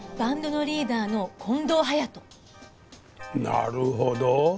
なるほど。